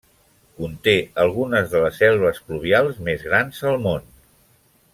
Conté algunes de les selves pluvials més grans al món.